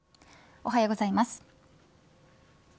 おはようございます。